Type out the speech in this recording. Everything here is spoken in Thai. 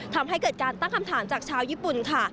ทำให้เกิดการตั้งคำถามจากชาวญี่ปุ่นค่ะ